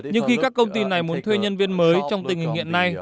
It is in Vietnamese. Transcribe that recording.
nhưng khi các công ty này muốn thuê nhân viên mới trong tình hình hiện nay